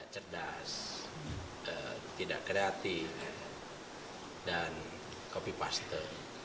cerdas tidak kreatif dan copy paste